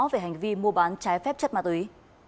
về hành vi mua bán trái phép chất ma túy